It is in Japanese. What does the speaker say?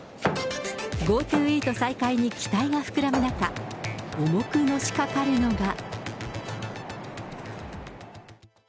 ＧｏＴｏイート再開に期待が膨らむ中、重くのしかかるのが。